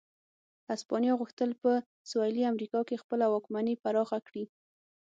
هسپانیا غوښتل په سوېلي امریکا کې خپله واکمني پراخه کړي.